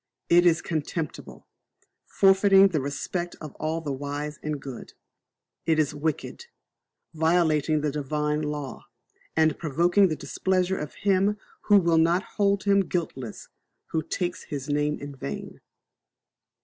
It is contemptible, forfeiting the respect of all the wise and good. It is wicked, violating the Divine law, and provoking the displeasure of Him who will not hold him guiltless who takes His name in vain.